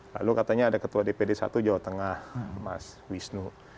lalu katanya ada ketua dpd satu jawa tengah mas wisnu